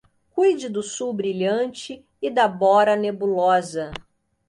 Cuide do sul brilhante e da bora nebulosa.